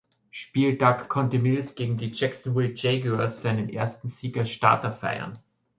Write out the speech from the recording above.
Spieltag konnte Mills gegen die Jacksonville Jaguars seinen ersten Sieg als Starter feiern.